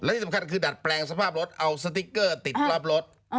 ที่สำคัญคือดัดแปลงสภาพรถเอาสติ๊กเกอร์ติดรอบรถ